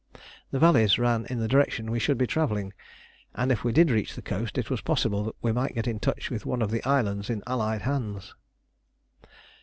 The valleys ran in the direction we should be travelling, and if we did reach the coast, it was possible that we might get in touch with one of the islands in Allied hands.